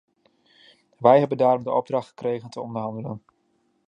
Wij hebben daarom de opdracht gekregen te onderhandelen.